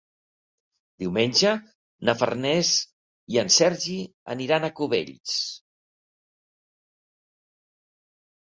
Diumenge na Farners i en Sergi aniran a Cubells.